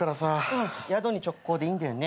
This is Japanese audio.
うん宿に直行でいいんだよね？